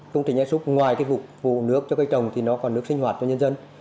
công trình esup ngoài vụ nước cho cây trồng thì nó còn nước sinh hoạt cho nhân dân